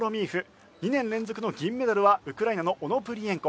２年連続の銀メダルはウクライナのオノプリエンコ。